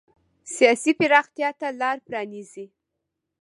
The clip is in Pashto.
سیاسي پراختیا ته لار پرانېزي.